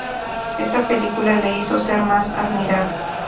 Esta película le hizo ser más admirado.